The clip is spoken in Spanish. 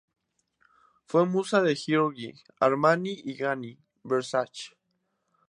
Fue musa de Giorgio Armani y Gianni Versace.